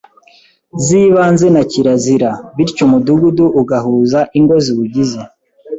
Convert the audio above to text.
zibanze na kirazira bityo umudugudu ugahuza ingo ziwugize.